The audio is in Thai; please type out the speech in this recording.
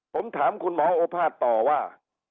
ผมถามคุณหมอโอภาษย์ต่อว่า